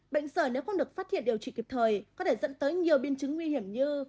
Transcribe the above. bệnh sởi nếu không được phát hiện điều trị kịp thời có thể dẫn tới nhiều biên chứng nguy hiểm như